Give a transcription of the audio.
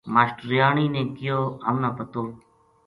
ماشٹریانی نے کہیو:”ہمنا پتو